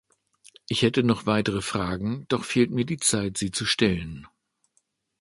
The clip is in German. Ich hätte noch weitere Fragen, doch fehlt mir die Zeit, sie zu stellen.